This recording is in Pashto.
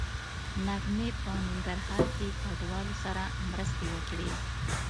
نغمې په ننګرهار کې کډوالو سره مرستې وکړې